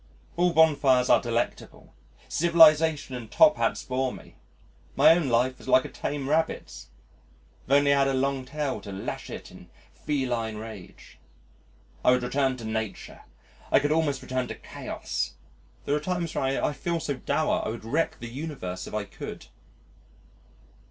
All bonfires are delectable. Civilisation and top hats bore me. My own life is like a tame rabbit's. If only I had a long tail to lash it in feline rage! I would return to Nature I could almost return to Chaos. There are times when I feel so dour I would wreck the universe if I could.